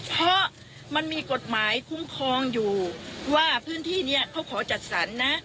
เพราะมันมีกฎหมายคุ้มครองอยู่ว่าพื้นที่นี้เขาขอจัดสรรนะ